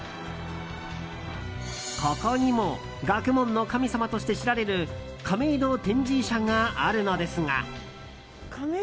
ここにも学問の神様として知られる亀戸天神社があるのですが。